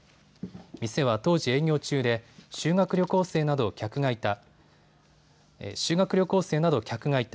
店は当時、営業中で修学旅行生など客がいた。